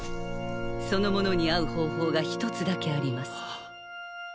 その者に会う方法が一つだけあります